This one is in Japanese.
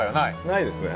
ないですね。